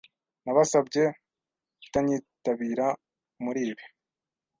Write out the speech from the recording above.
Nabasabye kutanyitabira muri ibi.